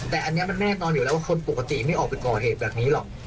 แต่อันนี้มันแน่นอนอยู่แล้วว่าคนปกติไม่ออกไปก่อเหตุแบบนี้หรอก